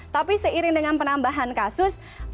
tapi seiring dengan penambahan kasus